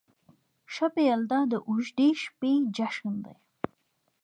شب یلدا د اوږدې شپې جشن دی.